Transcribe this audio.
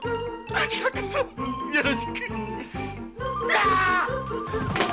こちらこそよろしく。